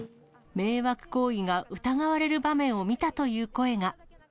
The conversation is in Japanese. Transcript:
迷惑行為が疑われる場面を見たという声が。